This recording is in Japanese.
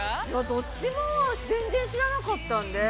◆どっちも全然知らなかったんで。